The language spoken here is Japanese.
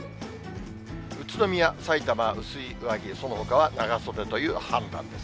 宇都宮、さいたまは薄い上着、そのほかは長袖という判断です。